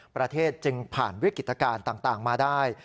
ประเทศจึงผ่านวิกฤตการณ์ต่างมาได้